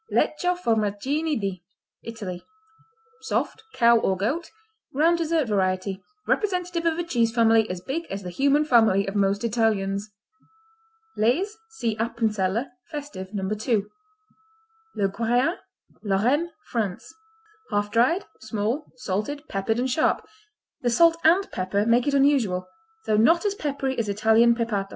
Lecco, Formaggini di Italy Soft; cow or goat; round dessert variety; representative of a cheese family as big as the human family of most Italians. Lees see Appenzeller, Festive, No. II. LeGuéyin Lorraine, France Half dried; small; salted; peppered and sharp. The salt and pepper make it unusual, though not as peppery as Italian Pepato.